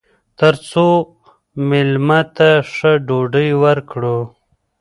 تر څو میلمه ته ښه ډوډۍ ورکړو.